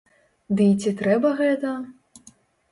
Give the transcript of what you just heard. Ды і ці трэба гэта?